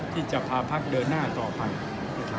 ที่จะพาพักเดินหน้าต่อภักดิ์